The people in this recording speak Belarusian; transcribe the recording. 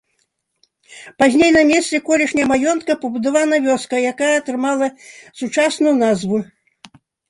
Пазней на месцы колішняга маёнтка пабудавана вёска, якая атрымала сучасную назву.